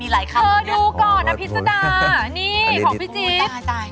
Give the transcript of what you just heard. มีหลายคับแล้วเนี่ยเธอดูก่อนนะพิษดานี่ของพี่จี๊บ